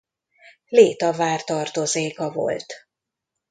Léta vár tartozéka volt.